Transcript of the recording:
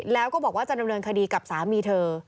แล้วก็บอกว่าจะดำเนินคดีกับสามีเธอ